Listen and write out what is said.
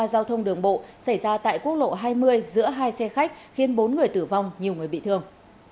giao thông đường bộ xảy ra tại quốc lộ hai mươi giữa hai xe khách khiến bốn người tử vong nhiều người bị thương